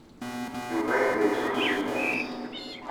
Yuba yella yetthuzzu iman-nnes.